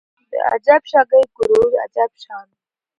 د اجب شاګۍ کروړو عجب شان